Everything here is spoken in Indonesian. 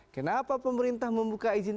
kenapa pemerintah membuka izin